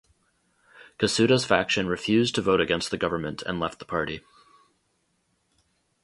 Cossutta's faction refused to vote against the government and left the party.